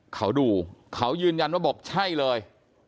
เขาดูเขายืนยันว่าบอกใช่เลย